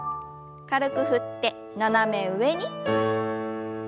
軽く振って斜め上に。